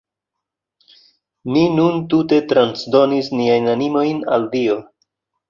Ni nun tute transdonis niajn animojn al Dio.